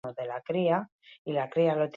Urratsez urrats, bai, baina etengabe.